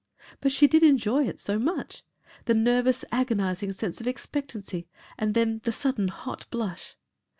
But she did enjoy it so much, the nervous agonising sense of expectancy and then the sudden hot blush.